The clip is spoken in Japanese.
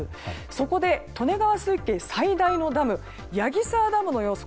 そこで、利根川水系最大のダム矢木沢ダムの様子。